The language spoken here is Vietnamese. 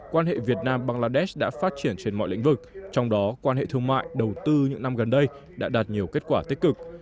quan hệ việt nam bangladesh đã phát triển trên mọi lĩnh vực trong đó quan hệ thương mại đầu tư những năm gần đây đã đạt nhiều kết quả tích cực